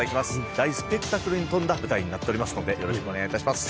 大スペクタクルに富んだ舞台になっておりますのでよろしくお願いいたします。